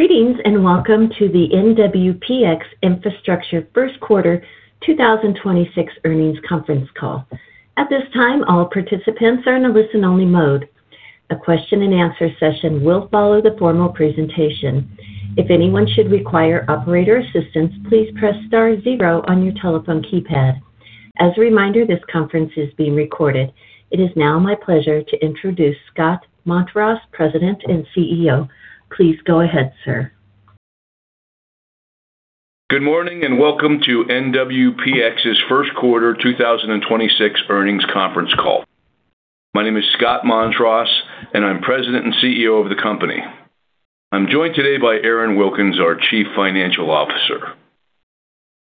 Greetings, and welcome to the NWPX Infrastructure First Quarter 2026 Earnings Conference Call. At this time, all participants are in a listen-only mode. A question-and-answer session will follow the formal presentation. If anyone should require operator assistance, please press star zero on your telephone keypad. As a reminder, this conference is being recorded. It is now my pleasure to introduce Scott Montross, President and CEO. Please go ahead, sir. Good morning, and welcome to NWPX's First Quarter 2026 Earnings Conference Call. My name is Scott Montross, and I'm President and CEO of the company. I'm joined today by Aaron Wilkins, our Chief Financial Officer.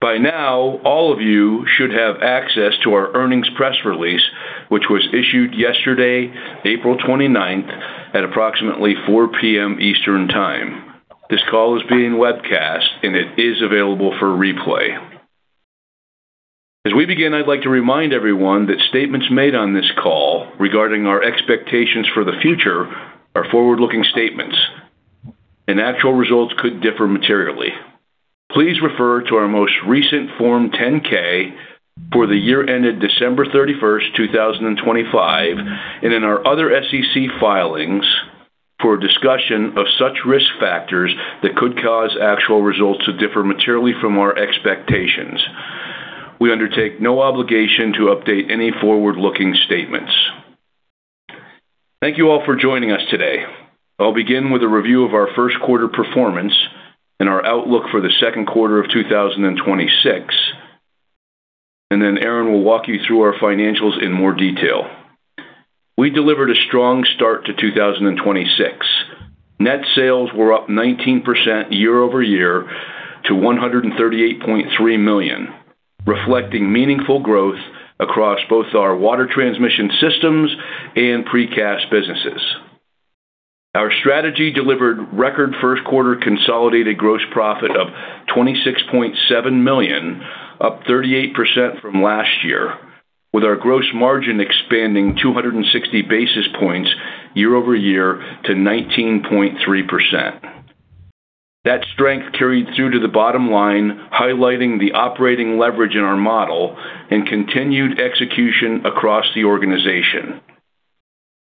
By now, all of you should have access to our earnings press release, which was issued yesterday, April 29th, at approximately 4:00 P.M. Eastern Time. This call is being webcast, and it is available for replay. As we begin, I'd like to remind everyone that statements made on this call regarding our expectations for the future are forward-looking statements, and actual results could differ materially. Please refer to our most recent Form 10-K for the year ended December 31st, 2025, and in our other SEC filings for a discussion of such risk factors that could cause actual results to differ materially from our expectations. We undertake no obligation to update any forward-looking statements. Thank you all for joining us today. I'll begin with a review of our first quarter performance and our outlook for the second quarter of 2026, and then Aaron will walk you through our financials in more detail. We delivered a strong start to 2026. Net sales were up 19% year-over-year to $138.3 million, reflecting meaningful growth across both our Water Transmission Systems and precast businesses. Our strategy delivered record first quarter consolidated gross profit of $26.7 million, up 38% from last year, with our gross margin expanding 260 basis points year-over-year to 19.3%. That strength carried through to the bottom line, highlighting the operating leverage in our model and continued execution across the organization.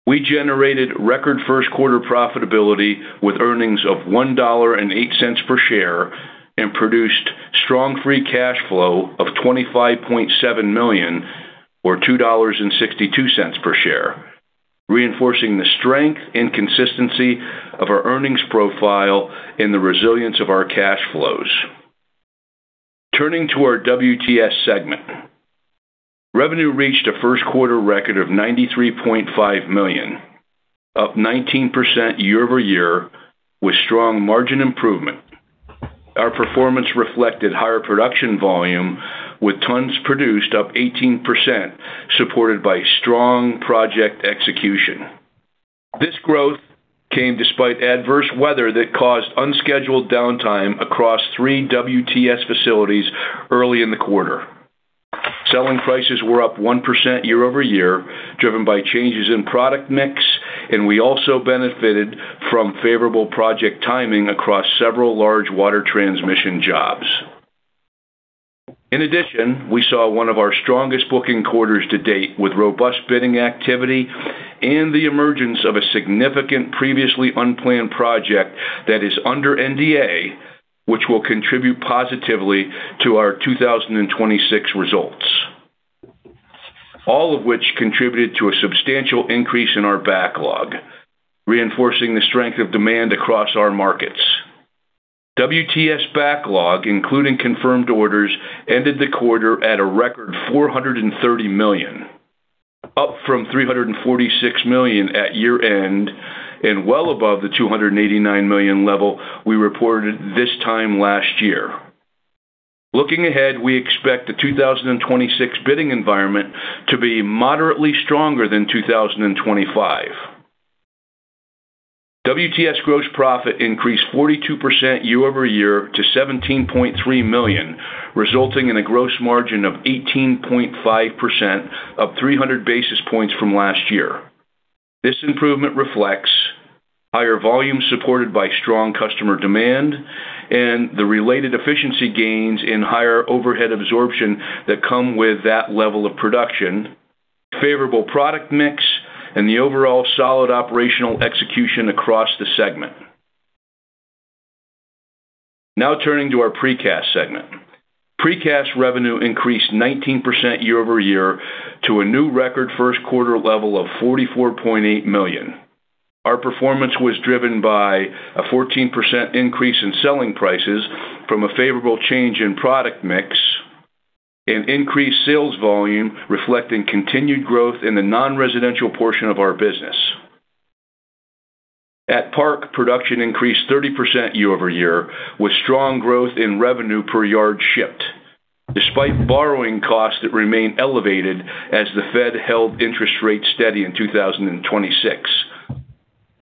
We generated record first quarter profitability with earnings of $1.08 per share and produced strong free cash flow of $25.7 million or $2.62 per share, reinforcing the strength and consistency of our earnings profile and the resilience of our cash flows. Turning to our WTS segment. Revenue reached a first quarter record of $93.5 million, up 19% year-over-year with strong margin improvement. Our performance reflected higher production volume with tons produced up 18%, supported by strong project execution. This growth came despite adverse weather that caused unscheduled downtime across three WTS facilities early in the quarter. Selling prices were up 1% year-over-year, driven by changes in product mix, and we also benefited from favorable project timing across several large water transmission jobs. In addition, we saw one of our strongest booking quarters to date with robust bidding activity and the emergence of a significant previously unplanned project that is under NDA, which will contribute positively to our 2026 results. All of which contributed to a substantial increase in our backlog, reinforcing the strength of demand across our markets. WTS backlog, including confirmed orders, ended the quarter at a record $430 million, up from $346 million at year-end and well above the $289 million level we reported this time last year. Looking ahead, we expect the 2026 bidding environment to be moderately stronger than 2025. WTS gross profit increased 42% year-over-year to $17.3 million, resulting in a gross margin of 18.5%, up 300 basis points from last year. This improvement reflects higher volume supported by strong customer demand and the related efficiency gains in higher overhead absorption that come with that level of production, favorable product mix, and the overall solid operational execution across the segment. Turning to our precast segment. Precast revenue increased 19% year-over-year to a new record first quarter level of $44.8 million. Our performance was driven by a 14% increase in selling prices from a favorable change in product mix and increased sales volume reflecting continued growth in the non-residential portion of our business. At NWPX Park, production increased 30% year-over-year, with strong growth in revenue per yard shipped, despite borrowing costs that remain elevated as the Fed held interest rates steady in 2026.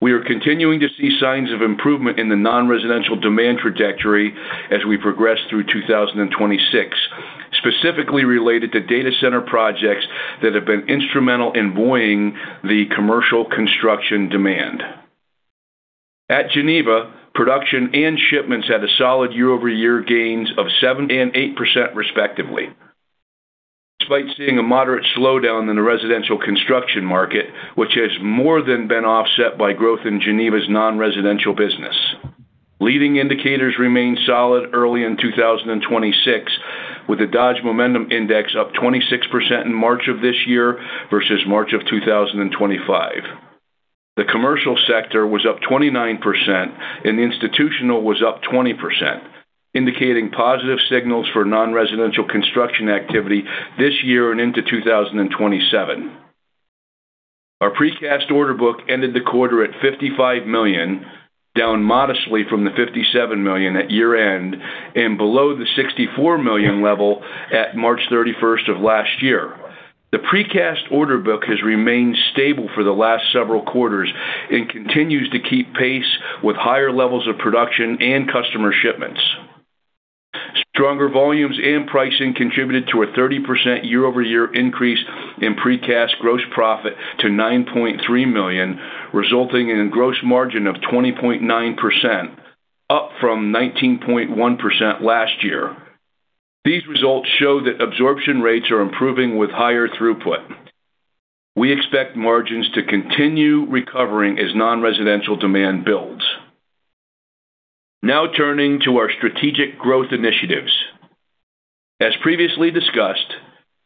We are continuing to see signs of improvement in the non-residential demand trajectory as we progress through 2026. Specifically related to data center projects that have been instrumental in buoying the commercial construction demand. At NWPX Geneva, production and shipments had a solid year-over-year gains of 7% and 8% respectively. Despite seeing a moderate slowdown in the residential construction market, which has more than been offset by growth in NWPX Geneva's non-residential business. Leading indicators remained solid early in 2026, with the Dodge Momentum Index up 26% in March of this year versus March of 2025. The commercial sector was up 29% and the institutional was up 20%, indicating positive signals for non-residential construction activity this year and into 2027. Our precast order book ended the quarter at $55 million, down modestly from the $57 million at year-end and below the $64 million level at March 31st of last year. The precast order book has remained stable for the last several quarters and continues to keep pace with higher levels of production and customer shipments. Stronger volumes and pricing contributed to a 30% year-over-year increase in precast gross profit to $9.3 million, resulting in a gross margin of 20.9%, up from 19.1% last year. These results show that absorption rates are improving with higher throughput. We expect margins to continue recovering as non-residential demand builds. Now turning to our strategic growth initiatives. As previously discussed,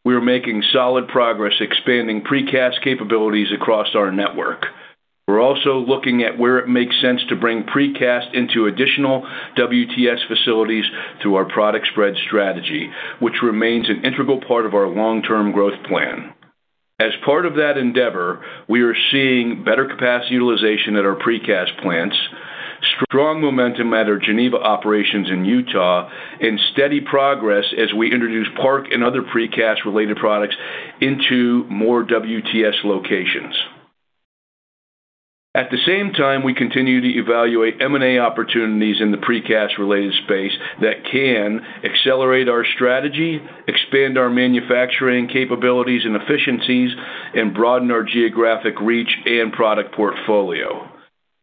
we are making solid progress expanding precast capabilities across our network. We're also looking at where it makes sense to bring precast into additional WTS facilities through our product spread strategy, which remains an integral part of our long-term growth plan. As part of that endeavor, we are seeing better capacity utilization at our precast plants, strong momentum at our Geneva operations in Utah, and steady progress as we introduce Park and other precast-related products into more WTS locations. At the same time, we continue to evaluate M&A opportunities in the precast-related space that can accelerate our strategy, expand our manufacturing capabilities and efficiencies, and broaden our geographic reach and product portfolio.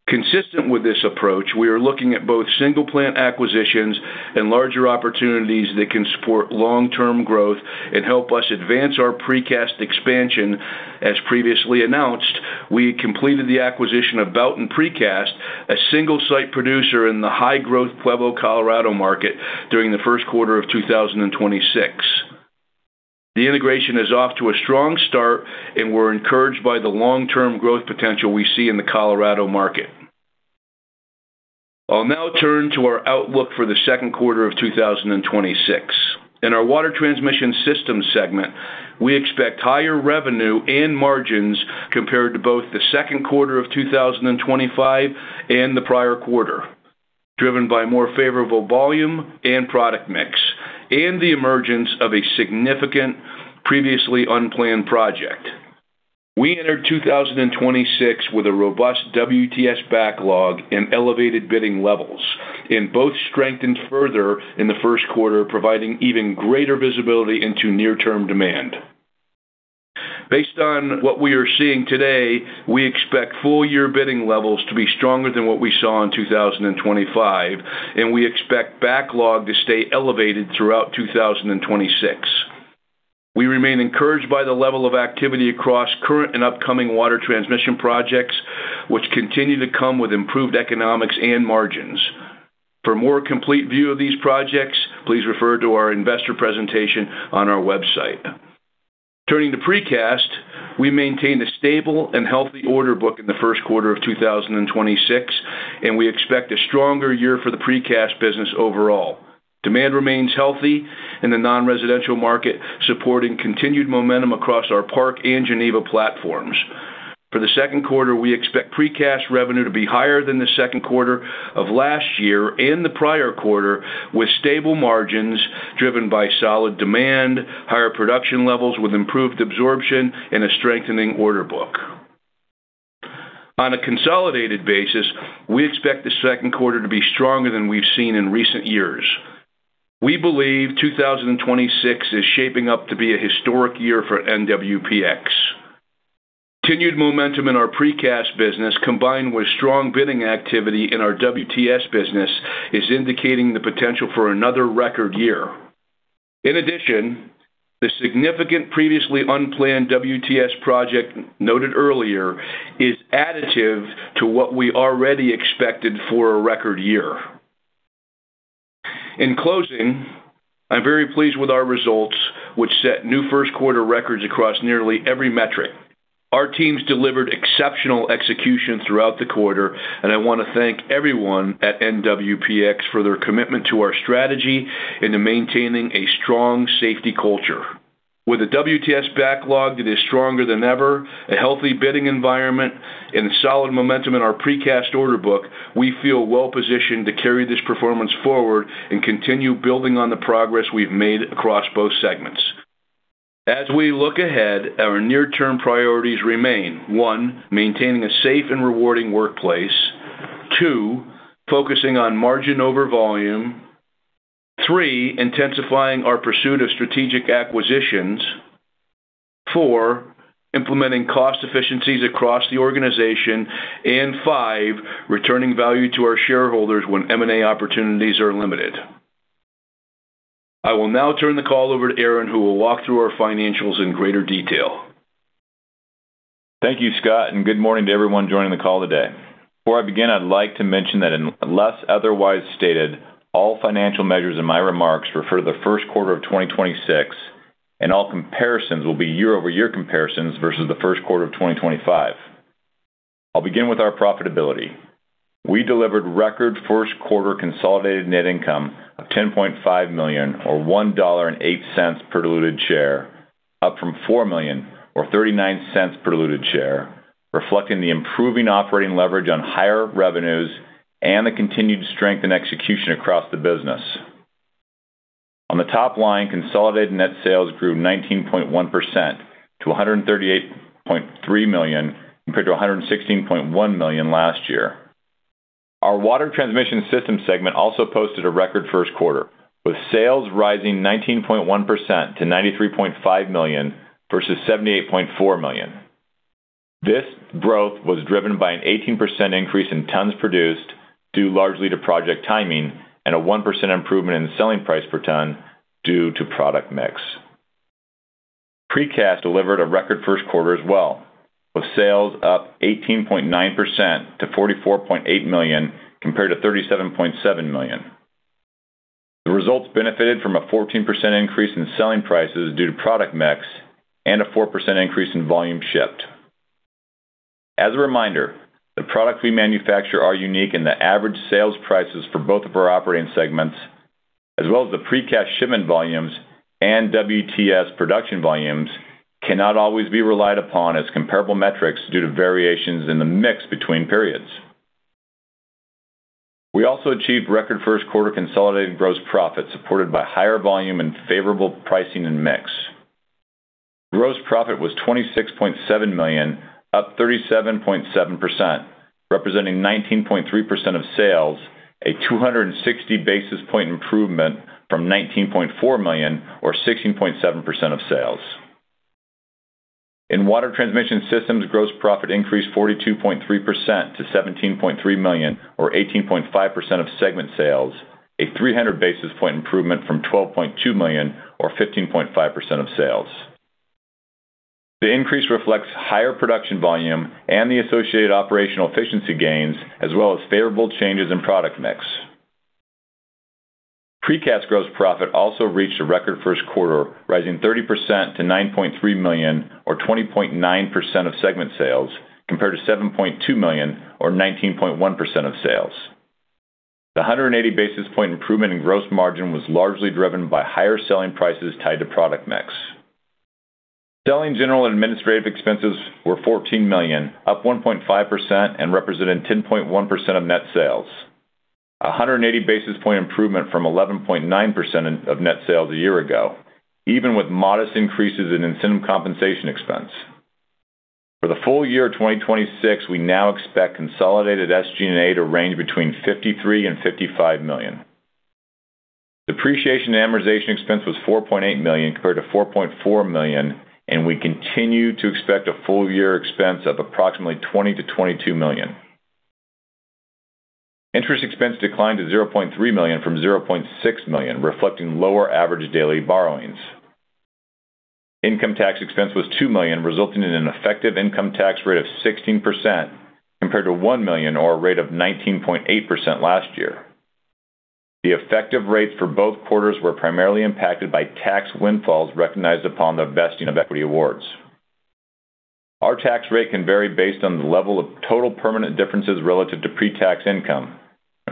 Consistent with this approach, we are looking at both single-plant acquisitions and larger opportunities that can support long-term growth and help us advance our precast expansion as previously announced. We completed the acquisition of Boughton's Precast, a single-site producer in the high-growth Pueblo, Colorado market during the first quarter of 2026. The integration is off to a strong start, and we're encouraged by the long-term growth potential we see in the Colorado market. I'll now turn to our outlook for the second quarter of 2026. In our Water Transmission Systems segment, we expect higher revenue and margins compared to both the second quarter of 2025 and the prior quarter, driven by more favorable volume and product mix and the emergence of a significant previously unplanned project. We entered 2026 with a robust WTS backlog and elevated bidding levels, and both strengthened further in the first quarter, providing even greater visibility into near-term demand. Based on what we are seeing today, we expect full-year bidding levels to be stronger than what we saw in 2025, and we expect backlog to stay elevated throughout 2026. We remain encouraged by the level of activity across current and upcoming water transmission projects, which continue to come with improved economics and margins. For a more complete view of these projects, please refer to our investor presentation on our website. Turning to precast, we maintain a stable and healthy order book in the first quarter of 2026, and we expect a stronger year for the precast business overall. Demand remains healthy in the non-residential market, supporting continued momentum across our NWPX Park and NWPX Geneva platforms. For the second quarter, we expect precast revenue to be higher than the second quarter of last year and the prior quarter, with stable margins driven by solid demand, higher production levels with improved absorption, and a strengthening order book. On a consolidated basis, we expect the second quarter to be stronger than we've seen in recent years. We believe 2026 is shaping up to be a historic year for NWPX. Continued momentum in our precast business, combined with strong bidding activity in our WTS business, is indicating the potential for another record year. In addition, the significant previously unplanned WTS project noted earlier is additive to what we already expected for a record year. In closing, I'm very pleased with our results, which set new first quarter records across nearly every metric. Our teams delivered exceptional execution throughout the quarter. I want to thank everyone at NWPX for their commitment to our strategy and to maintaining a strong safety culture. With a WTS backlog that is stronger than ever, a healthy bidding environment, and solid momentum in our precast order book, we feel well-positioned to carry this performance forward and continue building on the progress we've made across both segments. As we look ahead, our near-term priorities remain. One, maintaining a safe and rewarding workplace. Two, focusing on margin over volume. Three, intensifying our pursuit of strategic acquisitions. Four, implementing cost efficiencies across the organization. Five, returning value to our shareholders when M&A opportunities are limited. I will now turn the call over to Aaron, who will walk through our financials in greater detail. Thank you, Scott, and good morning to everyone joining the call today. Before I begin, I'd like to mention that unless otherwise stated, all financial measures in my remarks refer to the first quarter of 2026, and all comparisons will be year-over-year comparisons versus the first quarter of 2025. I'll begin with our profitability. We delivered record first quarter consolidated net income of $10.5 million, or $1.08 per diluted share, up from $4 million or $0.39 per diluted share, reflecting the improving operating leverage on higher revenues and the continued strength and execution across the business. On the top line, consolidated net sales grew 19.1% to $138.3 million compared to $116.1 million last year. Our Water Transmission Systems segment also posted a record first quarter, with sales rising 19.1% to $93.5 million versus $78.4 million. This growth was driven by an 18% increase in tons produced due largely to project timing and a 1% improvement in the selling price per ton due to product mix. Precast delivered a record first quarter as well, with sales up 18.9% to $44.8 million compared to $37.7 million. The results benefited from a 14% increase in selling prices due to product mix and a 4% increase in volume shipped. As a reminder, the products we manufacture are unique, and the average sales prices for both of our operating segments, as well as the Precast shipment volumes and WTS production volumes, cannot always be relied upon as comparable metrics due to variations in the mix between periods. We also achieved record first quarter consolidated gross profit, supported by higher volume and favorable pricing and mix. Gross profit was $26.7 million, up 37.7%, representing 19.3% of sales, a 260 basis point improvement from $19.4 million, or 16.7% of sales. In Water Transmission Systems, gross profit increased 42.3% to $17.3 million, or 18.5% of segment sales, a 300 basis point improvement from $12.2 million, or 15.5% of sales. The increase reflects higher production volume and the associated operational efficiency gains, as well as favorable changes in product mix. Precast gross profit also reached a record first quarter, rising 30% to $9.3 million, or 20.9% of segment sales, compared to $7.2 million, or 19.1% of sales. The 180 basis point improvement in gross margin was largely driven by higher selling prices tied to product mix. Selling, general, and administrative expenses were $14 million, up 1.5% and representing 10.1% of net sales. A 180 basis point improvement from 11.9% of net sales a year ago, even with modest increases in incentive compensation expense. For the full year of 2026, we now expect consolidated SG&A to range between $53 million-$55 million. Depreciation and amortization expense was $4.8 million compared to $4.4 million, and we continue to expect a full year expense of approximately $20 million-$22 million. Interest expense declined to $0.3 million from $0.6 million, reflecting lower average daily borrowings. Income tax expense was $2 million, resulting in an effective income tax rate of 16% compared to $1 million or a rate of 19.8% last year. The effective rates for both quarters were primarily impacted by tax windfalls recognized upon the vesting of equity awards. Our tax rate can vary based on the level of total permanent differences relative to pre-tax income.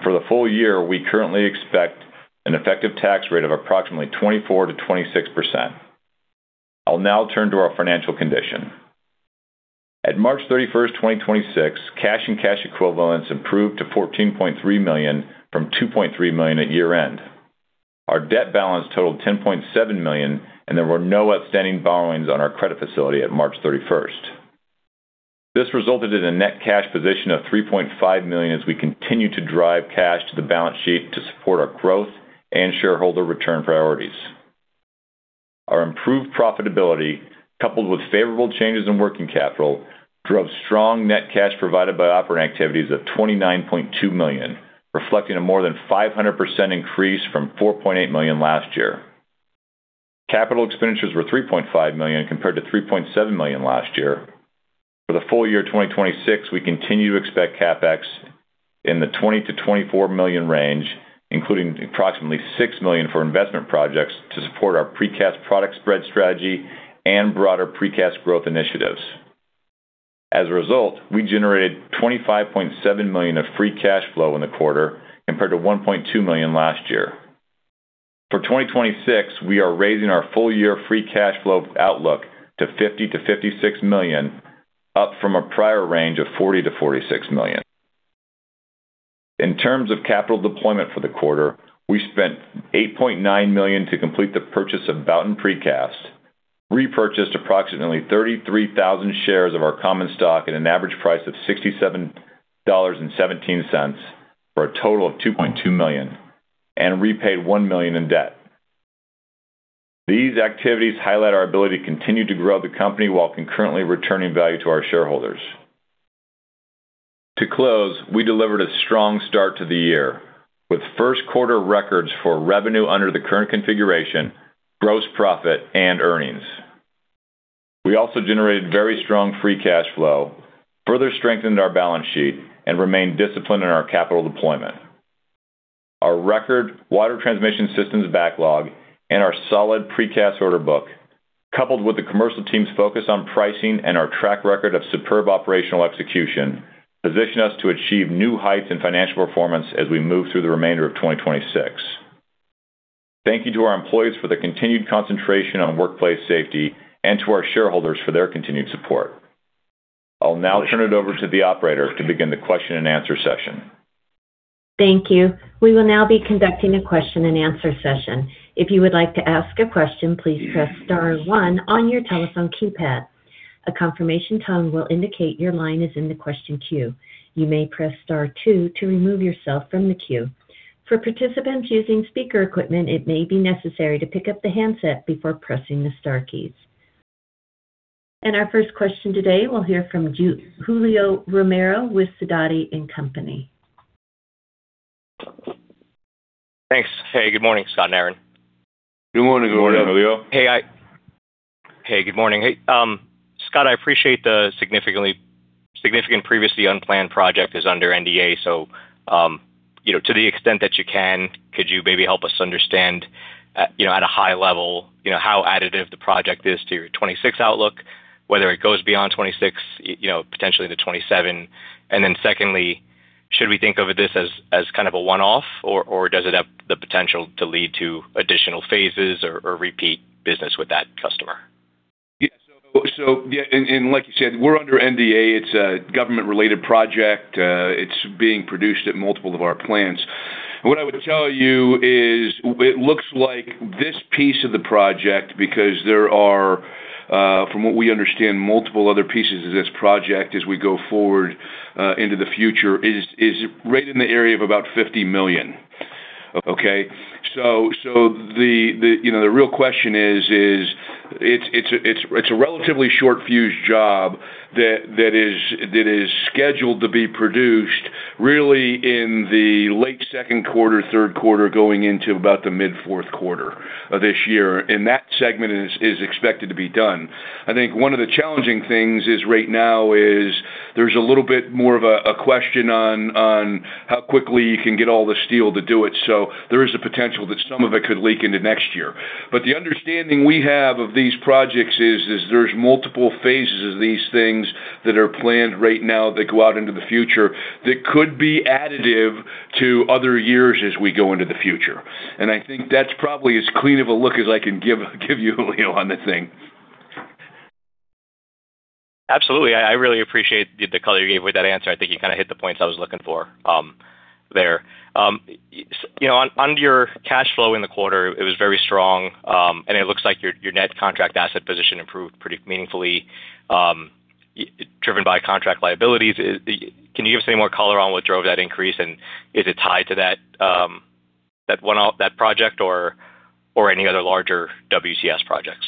For the full year, we currently expect an effective tax rate of approximately 24%-26%. I'll now turn to our financial condition. At March 31st, 2026, cash and cash equivalents improved to $14.3 million from $2.3 million at year-end. Our debt balance totaled $10.7 million, and there were no outstanding borrowings on our credit facility at March 31st. This resulted in a net cash position of $3.5 million as we continue to drive cash to the balance sheet to support our growth and shareholder return priorities. Our improved profitability, coupled with favorable changes in working capital, drove strong net cash provided by operating activities of $29.2 million, reflecting a more than 500% increase from $4.8 million last year. Capital expenditures were $3.5 million compared to $3.7 million last year. For the full year of 2026, we continue to expect CapEx in the $20 million-$24 million range, including approximately $6 million for investment projects to support our Precast product spread strategy and broader Precast growth initiatives. As a result, we generated $25.7 million of free cash flow in the quarter compared to $1.2 million last year. For 2026, we are raising our full-year free cash flow outlook to $50 million-$56 million, up from a prior range of $40 million-$46 million. In terms of capital deployment for the quarter, we spent $8.9 million to complete the purchase of Boughton's Precast, repurchased approximately 33,000 shares of our common stock at an average price of $67.17 for a total of $2.2 million, and repaid $1 million in debt. These activities highlight our ability to continue to grow the company while concurrently returning value to our shareholders. To close, we delivered a strong start to the year with first quarter records for revenue under the current configuration, gross profit, and earnings. We also generated very strong free cash flow, further strengthened our balance sheet, and remained disciplined in our capital deployment. Our record Water Transmission Systems backlog and our solid precast order book, coupled with the commercial team's focus on pricing and our track record of superb operational execution, position us to achieve new heights in financial performance as we move through the remainder of 2026. Thank you to our employees for the continued concentration on workplace safety and to our shareholders for their continued support. I'll now turn it over to the operator to begin the question-and-answer session. Thank you. We will now be conducting a question-and-answer session. If you would like to ask a question, please press star one on your telephone keypad. A confirmation tone will indicate your line is in the question queue. You may press star two to remove yourself from the queue. For participants using speaker equipment, it may be necessary to pick up the handset before pressing the star keys. Our first question today, we'll hear from Julio Romero with Sidoti & Company. Thanks. Hey, good morning, Scott and Aaron. Good morning, Julio Hey, hey, good morning. Hey, Scott, I appreciate the significant previously unplanned project is under NDA. You know, to the extent that you can, could you maybe help us understand, you know, at a high level, you know, how additive the project is to your 2026 outlook, whether it goes beyond 20`26, you know, potentially to 2027? Secondly, should we think of this as kind of a one-off, or does it have the potential to lead to additional phases or repeat business with that customer? Like you said, we're under NDA. It's a government-related project. It's being produced at multiple of our plants. What I would tell you is it looks like this piece of the project, because there are, from what we understand, multiple other pieces of this project as we go forward, into the future, is right in the area of about $50 million. The, you know, the real question is it's a relatively short-fused job that is scheduled to be produced really in the late second quarter, third quarter, going into about the mid fourth quarter of this year. That segment is expected to be done. I think one of the challenging things is right now is there's a little bit more of a question on how quickly you can get all the steel to do it. There is a potential that some of it could leak into next year. The understanding we have of these projects is there's multiple phases of these things that are planned right now that go out into the future that could be additive to other years as we go into the future. I think that's probably as clean of a look as I can give you Julio, on this thing. Absolutely. I really appreciate the color you gave with that answer. I think you kind of hit the points I was looking for there. You know, on your cash flow in the quarter, it was very strong. It looks like your net contract asset position improved pretty meaningfully, driven by contract liabilities. Can you give us any more color on what drove that increase? Is it tied to that one-off, that project or any other larger WTS projects?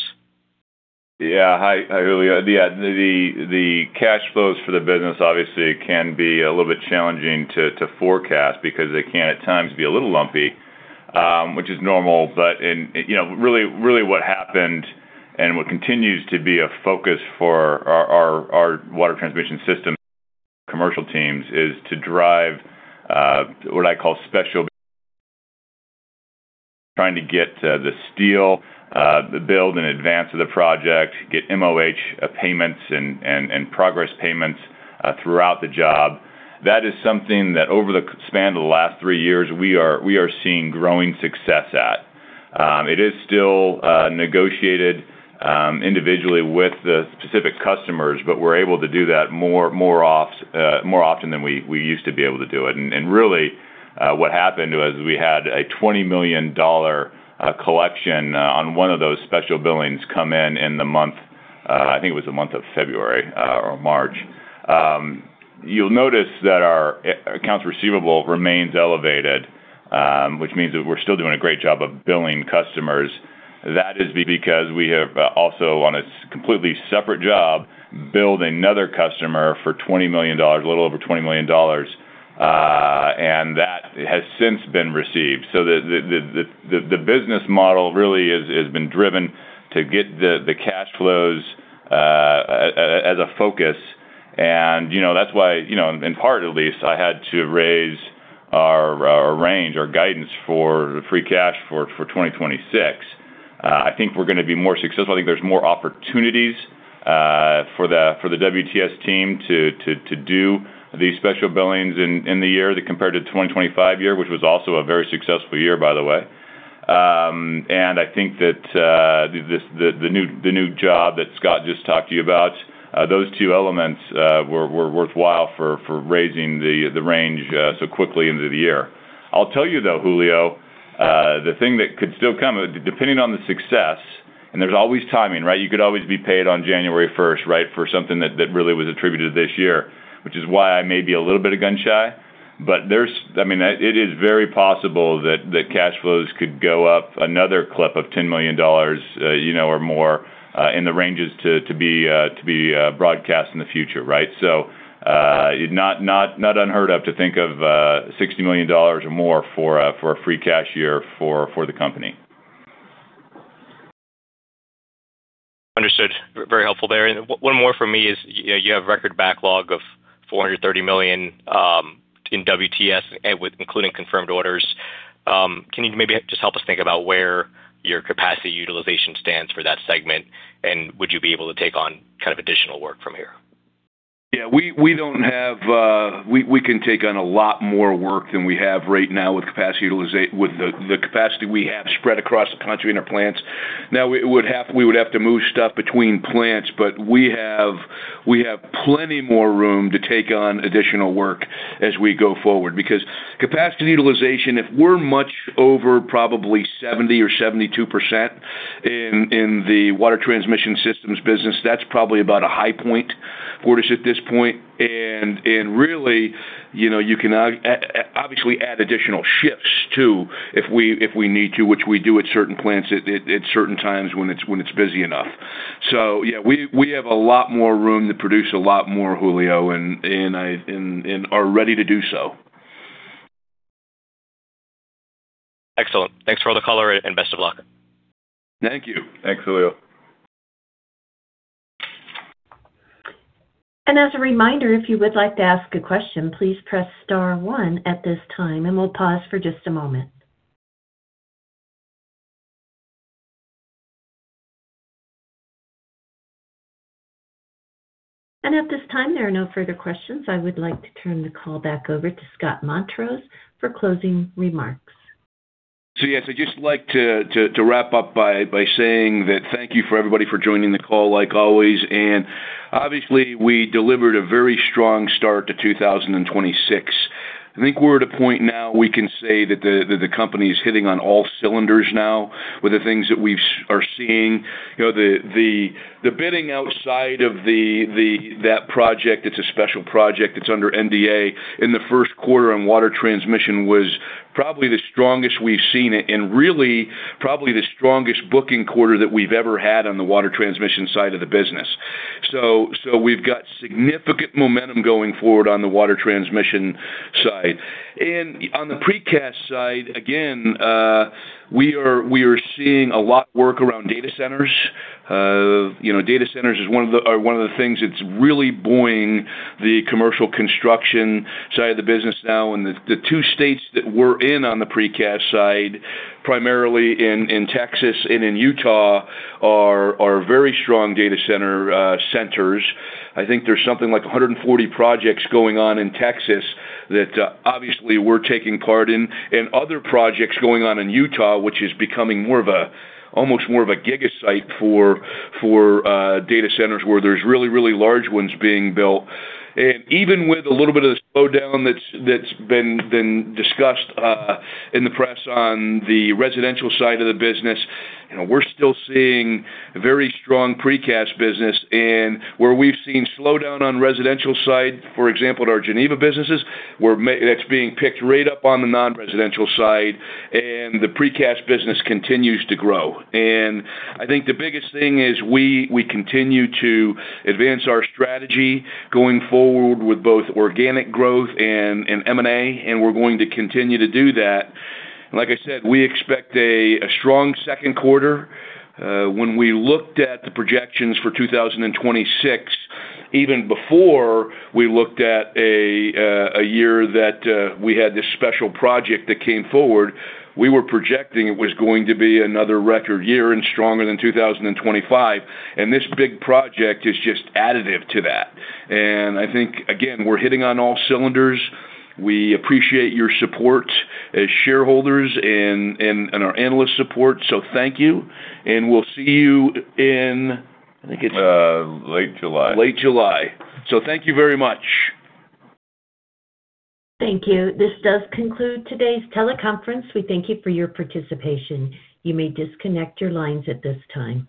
Hi, Julio. The cash flows for the business obviously can be a little bit challenging to forecast because they can at times be a little lumpy, which is normal. You know, really what happened and what continues to be a focus for our Water Transmission Systems commercial teams is to drive what I call special. Trying to get the steel build in advance of the project, get MOH payments and progress payments throughout the job. That is something that over the span of the last three years, we are seeing growing success at. It is still negotiated individually with the specific customers, but we're able to do that more often than we used to be able to do it. Really, what happened was we had a $20 million collection on one of those special billings come in in the month, I think it was the month of February or March. You'll notice that our accounts receivable remains elevated, which means that we're still doing a great job of billing customers. That is because we have, also on a completely separate job, billed another customer for $20 million, a little over $20 million, and that has since been received. The business model really has been driven to get the cash flows as a focus. You know, that's why, you know, in part at least, I had to raise our range, our guidance for free cash for 2026. I think we're gonna be more successful. I think there's more opportunities for the WTS team to do these special billings in the year compared to 2025 year, which was also a very successful year, by the way. I think that the new job that Scott just talked to you about, those two elements were worthwhile for raising the range so quickly into the year. I'll tell you though, Julio, the thing that could still come, depending on the success, there's always timing, right? You could always be paid on January first, right? For something that really was attributed this year, which is why I may be a little bit gun shy. I mean, it is very possible that the cash flows could go up another clip of $10 million, you know, or more, in the ranges to be broadcast in the future, right. Not unheard of to think of $60 million or more for a free cash year for the company. Understood. Very helpful there. One more from me is, you know, you have record backlog of $430 million in WTS, with including confirmed orders. Can you maybe just help us think about where your capacity utilization stands for that segment? Would you be able to take on kind of additional work from here? Yeah, we don't have, we can take on a lot more work than we have right now with the capacity we have spread across the country in our plants. We would have to move stuff between plants, but we have plenty more room to take on additional work as we go forward. Capacity utilization, if we're much over probably 70% or 72% in the Water Transmission Systems business, that's probably about a high point for us at this point. Really, you know, you can obviously add additional shifts too, if we need to, which we do at certain plants at certain times when it's busy enough. Yeah, we have a lot more room to produce a lot more, Julio, and are ready to do so. Excellent. Thanks for all the color and best of luck. Thank you. Thanks, Julio. As a reminder, if you would like to ask a question, please press star one at this time, and we'll pause for just a moment. At this time, there are no further questions. I would like to turn the call back over to Scott Montross for closing remarks. Yes, I'd just like to wrap up by saying that thank you for everybody for joining the call, like always. Obviously, we delivered a very strong start to 2026. I think we're at a point now we can say that the company is hitting on all cylinders now with the things that we are seeing. You know, the bidding outside of the that project, it's a special project, it's under NDA, in the first quarter on Water Transmission was probably the strongest we've seen it, and really probably the strongest booking quarter that we've ever had on the Water Transmission side of the business. We've got significant momentum going forward on the Water Transmission side. On the precast side, again, we are seeing a lot work around data centers. You know, data centers are one of the things that's really buoying the commercial construction side of the business now. The two states that we're in on the precast side, primarily in Texas and in Utah, are very strong data center centers. I think there's something like 140 projects going on in Texas that obviously we're taking part in, and other projects going on in Utah, which is becoming almost more of a giga site for data centers where there's really large ones being built. Even with a little bit of the slowdown that's been discussed in the press on the residential side of the business, you know, we're still seeing very strong precast business. Where we've seen slowdown on residential side, for example, at our Geneva businesses, that's being picked right up on the non-residential side, and the precast business continues to grow. I think the biggest thing is we continue to advance our strategy going forward with both organic growth and M&A, we're going to continue to do that. Like I said, we expect a strong second quarter. When we looked at the projections for 2026, even before we looked at a year that we had this special project that came forward, we were projecting it was going to be another record year and stronger than 2025. This big project is just additive to that. I think, again, we're hitting on all cylinders. We appreciate your support as shareholders and our analyst support. Thank you, and we'll see you in. I think it's late July. Late July. Thank you very much. Thank you. This does conclude today's teleconference. We thank you for your participation. You may disconnect your lines at this time.